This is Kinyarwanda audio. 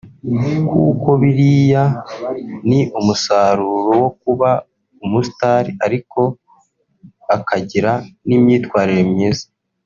kuko biriya ni umusaruro wo kuba umu star ariko akagira n’imyitwarire myiza